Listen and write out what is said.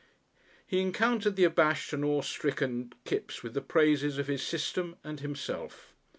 He encountered the abashed and awestricken Kipps with the praises of his system and himself.